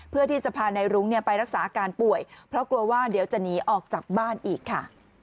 เพื่อที่จะพานายรุ้งไปรักษาอาการป่วยเพราะกลัวว่าเดี๋ยวจะหนีออกจากบ้านอีกค่ะ